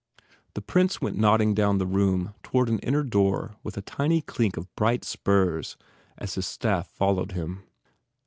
The prince went nodding down the room toward an inner door with a tiny clink of bright spurs as his staff followed him.